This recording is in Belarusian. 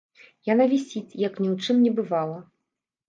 Яна вісіць, як ні ў чым не бывала.